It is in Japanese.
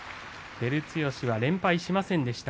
照強は連敗しませんでした。